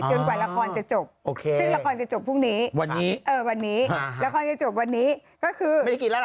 จนกว่าระครจะจบซึ่งระครจะจบพรุ่งนี้วันนี้ระครจะจบวันนี้ก็คือ